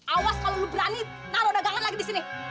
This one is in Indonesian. awas kalo lu berani naro dagangan lagi di sini